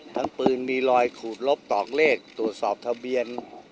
ทั้งปืนมีรอยขูดลบตอกเลขตรวจสอบทะเบียน